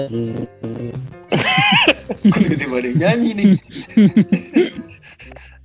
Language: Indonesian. gue tiba tiba ada yang nyanyi nih